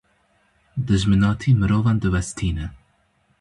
Dijminatî mirovan diwestîne.